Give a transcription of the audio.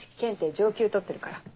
上級取ってるから。